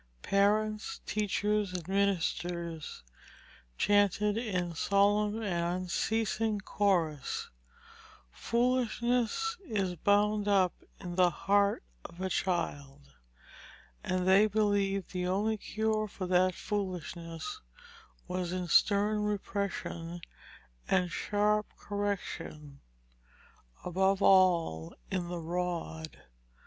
Parents, teachers, and ministers chanted in solemn and unceasing chorus, "Foolishness is bound up in the heart of a child," and they believed the only cure for that foolishness was in stern repression and sharp correction above all in the rod.